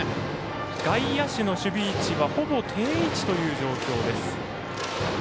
外野手の守備位置はほぼ定位置という状況です。